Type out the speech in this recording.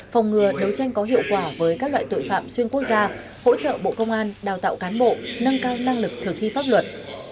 phòng ngừa đấu tranh có hiệu quả với các loại tội phạm xuyên quốc gia hỗ trợ bộ công an đào tạo cán bộ nâng cao năng lực thực thi pháp luật